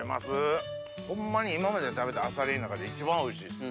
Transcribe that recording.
ホンマに今まで食べたあさりの中で一番おいしいです。